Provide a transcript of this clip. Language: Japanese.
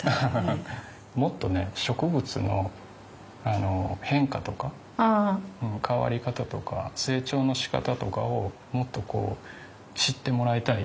もっとね植物の変化とか変わり方とか成長のしかたとかをもっと知ってもらいたいというのがあって。